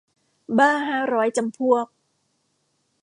บ้าห้าร้อยจำพวก